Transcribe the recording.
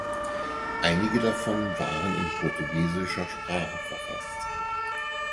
Einige davon waren in portugiesischer Sprache verfasst.